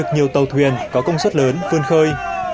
nhiều tàu thuyền có công suất lớn vươn khơi